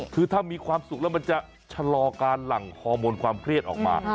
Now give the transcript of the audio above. คือถ้ามีความสุขแล้วมันจะชะลอการหลั่งฮอร์โมนความเครียดออกมา